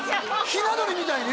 ひな鳥みたいに？